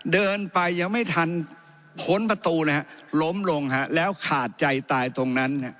เดินไปยังไม่ทันพ้นประตูนะฮะล้มลงแล้วขาดใจตายตรงนั้น